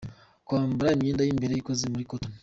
Kwambara imyenda y’imbere ikoze muri cotton,.